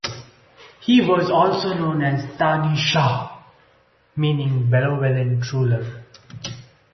He was also known as Tani Shah, meaning "benevolent ruler".